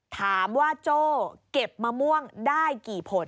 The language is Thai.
ถามว่าโจ่เก็บมะม่วงได้กี่ผล